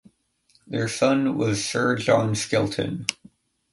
Their son was Sir John Skelton.